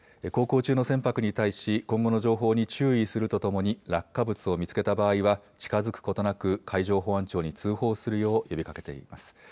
航行中の船舶に対し、今後の情報に注意するとともに、落下物を見つけた場合は近づくことなく、海上保安庁に通報するよう呼びかけています。